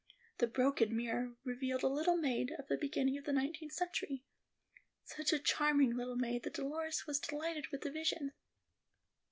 The broken mirror revealed a little maid of the beginning of the nineteenth century; such a charming little maid, that Dolores was delighted with the vision.